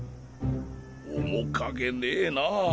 面影ねえなぁ。